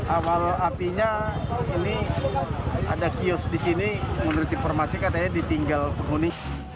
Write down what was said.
awal apinya ini ada kios di sini menurut informasi katanya ditinggal penghuni